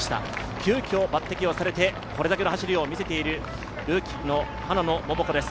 急きょ抜てきをされてこれだけの走りを見せているルーキーの花野桃子です。